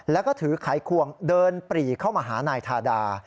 แล้วก็ถือไขควงเดินปรีเข้ามาหานายทาดา